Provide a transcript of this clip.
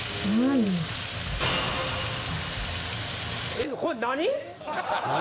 えこれ何！？